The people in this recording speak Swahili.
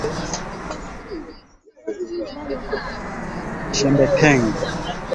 kila kaya itafurahia ujio wa ndugu zao